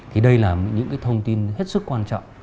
thì đây là những cái thông tin hết sức quan trọng